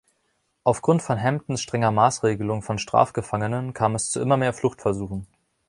Aufgrund von Hamptons strenger Maßregelung von Strafgefangenen kam es zu immer mehr Fluchtversuchen.